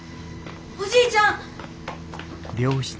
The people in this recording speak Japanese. おじいちゃん！